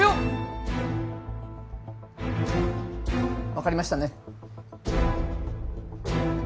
わかりましたね？